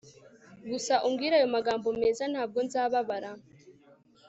gusa umbwire ayo magambo meza ntabwo nzababara